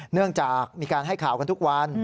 เนื่องจากมีการให้ข่าวกันทุกวัน